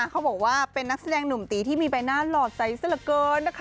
เขาบอกว่าเป็นนักแสดงหนุ่มตีที่มีใบหน้าหลอดใสซะละเกินนะคะ